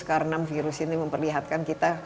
karena virus ini memperlihatkan kita